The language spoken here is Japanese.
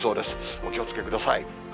お気をつけください。